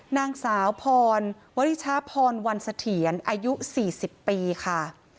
นางสาวพรวริชาพรวันเสถียรอายุ๔๐ปีค่ะ